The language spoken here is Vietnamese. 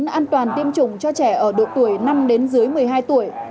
đảm bảo an toàn tiêm chủng cho trẻ ở độ tuổi năm đến dưới một mươi hai tuổi